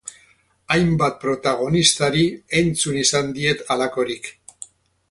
Hainbat protagonistari entzun izan diet halakorik.